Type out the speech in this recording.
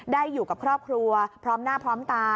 ได้อยู่กับครอบครัวพร้อมหน้าพร้อมตา